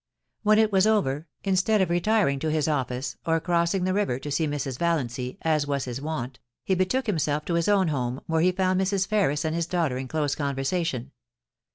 When it was over, instead of retiring to his office, or cross ing the river to see Mrs. Valiancy, as was his wont, he betook himself to his own home, where he found Mrs. Ferris and his daughter in close conversation.